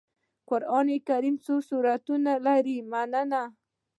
قرآن کريم څو سورتونه لري مننه